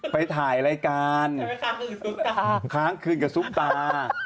ไปถ่ายรายการค้างคืนกับซุปตา